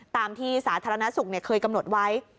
ตามที่สาธารณสุขเคยกำหนดไว้